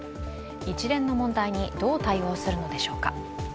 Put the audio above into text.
一連の問題にどう対応するのでしょうか。